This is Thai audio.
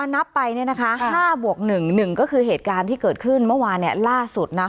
นับไป๕บวก๑๑ก็คือเหตุการณ์ที่เกิดขึ้นเมื่อวานล่าสุด